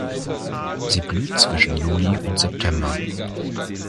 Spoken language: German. Sie blüht zwischen Juli und September.